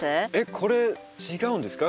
これ違うんですか？